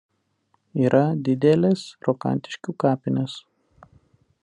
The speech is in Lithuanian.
Yra didelės Rokantiškių kapinės.